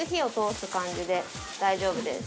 大丈夫です。